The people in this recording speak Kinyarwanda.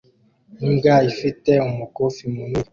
Imbwa ifite umukufi munini wiruka